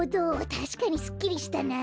たしかにすっきりしたな。